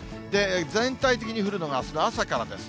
全体的に降るのがあす朝からです。